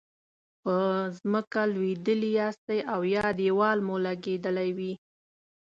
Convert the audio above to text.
په ځمکه لویدلي یاستئ او یا دیوال مو لګیدلی وي.